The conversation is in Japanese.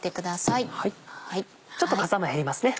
ちょっとかさが減りますね。